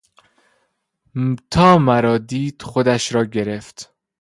تا مرا دید خودش را گرفت.